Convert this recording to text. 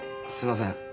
すいません。